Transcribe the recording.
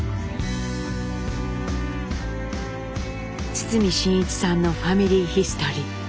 堤真一さんの「ファミリーヒストリー」